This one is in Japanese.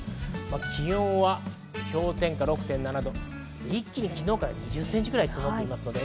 気温は氷点下６．７度、一気に昨日２０センチ以上、積もっています。